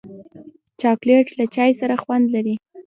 چاکلېټ له چای سره خوند لري.